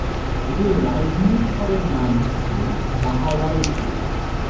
এটির রাজধানী শহরের নাম হচ্ছে বাহাওয়ালপুর।